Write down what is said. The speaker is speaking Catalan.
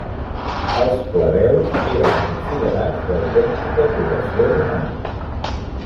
Els plebeus eren considerats l'autèntica població romana.